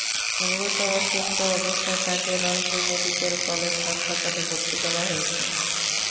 গুরুতর অসুস্থ অবস্থায় তাঁকে রংপুর মেডিকেল কলেজ হাসপাতালে ভর্তি করা হয়েছে।